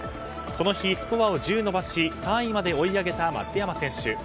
この日スコアを１０伸ばし３位まで追い上げた松山選手。